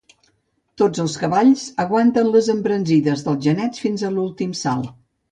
Tots els cavalls aguantaven les embranzides dels genets fins a l'últim salt.